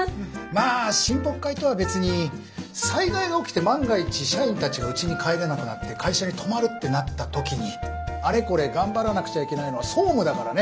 まあ親睦会とは別に災害が起きて万が一社員たちがうちに帰れなくなって会社に泊まるってなった時にあれこれ頑張らなくちゃいけないのは総務だからね。